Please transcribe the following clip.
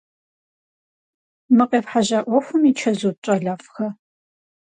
Мы къефхьэжьа ӏуэхум и чэзут, щӏалэфӏхэ?